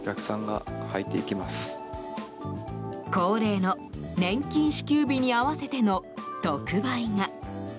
恒例の年金支給日に合わせての特売が。